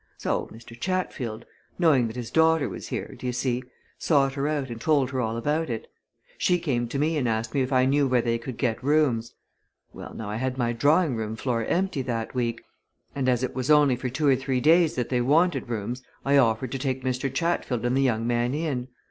So Mr. Chatfield, knowing that his daughter was here, do you see, sought her out and told her all about it. She came to me and asked me if I knew where they could get rooms. Well now, I had my drawing room floor empty that week, and as it was only for two or three days that they wanted rooms I offered to take Mr. Chatfield and the young man in.